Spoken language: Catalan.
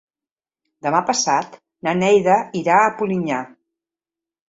Demà passat na Neida irà a Polinyà.